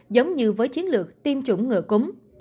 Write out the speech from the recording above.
giống như với chiến lược tiêm chủng ngựa cúng